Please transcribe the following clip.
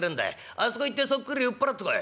あそこ行ってそっくり売っ払ってこい」。